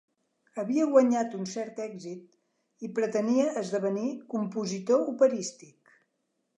Havia guanyat un cert èxit i pretenia esdevenir compositor operístic.